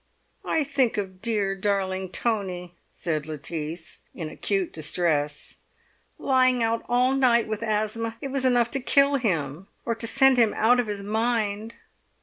"I think of dear darling Tony," said Lettice, in acute distress; "lying out all night with asthma—it was enough to kill him—or to send him out of his mind."